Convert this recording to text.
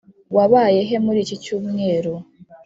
wabaye he muri iki cyumweru?